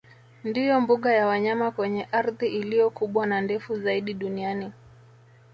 Ndiyo mbuga ya wanyama kwenye ardhi iliyo kubwa na ndefu zaidi duniani